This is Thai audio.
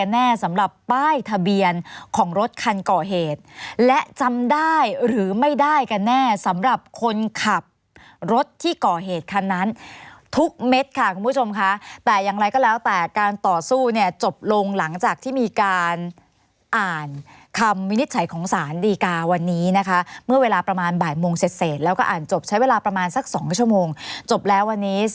แน่สำหรับป้ายทะเบียนของรถคันก่อเหตุและจำได้หรือไม่ได้กันแน่สำหรับคนขับรถที่ก่อเหตุคันนั้นทุกเม็ดค่ะคุณผู้ชมค่ะแต่อย่างไรก็แล้วแต่การต่อสู้เนี่ยจบลงหลังจากที่มีการอ่านคำวินิจฉัยของสารดีกาวันนี้นะคะเมื่อเวลาประมาณบ่ายโมงเสร็จแล้วก็อ่านจบใช้เวลาประมาณสัก๒ชั่วโมงจบแล้ววันนี้